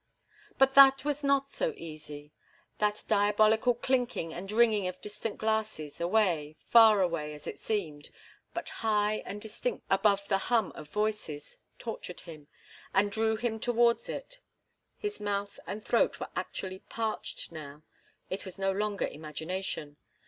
But that was not so easy. That diabolical clinking and ringing of distant glasses, away, far away, as it seemed, but high and distinct above the hum of voices, tortured him, and drew him towards it. His mouth and throat were actually parched now. It was no longer imagination.